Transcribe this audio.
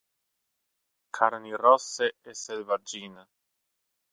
Carni rosse e selvaggina.